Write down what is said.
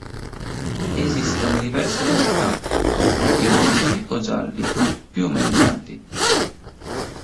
Esistono diverse varietà con frutti rossi o gialli, più o meno grandi.